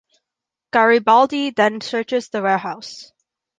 Garibaldi then searches the warehouse.